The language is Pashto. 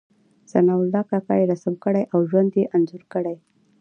ثناء الله کاکا يې رسم کړی او ژوند یې انځور کړی.